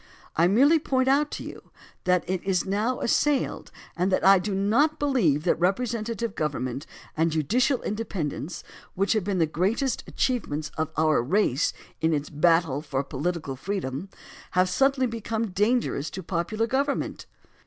I merely point out to you that it is now assailed and that I do not believe that representative government and judicial independence, which have been the greatest achievements of our race in its battle for political freedom, have suddenly be come dangerous to popular government.